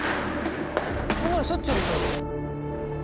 こんなのしょっちゅうですよ。